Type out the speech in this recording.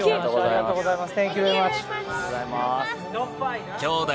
ありがとうございます。